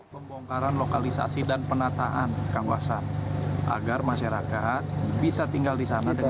pembongkaran lokalisasi dan penataan kawasan agar masyarakat bisa tinggal di sana dengan